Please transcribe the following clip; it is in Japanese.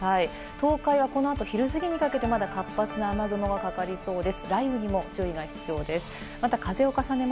東京はこのあと、昼過ぎにかけてまだ活発な雨雲がかかりそうです。